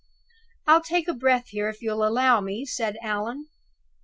I'll take breath here if you'll allow me," said Allan.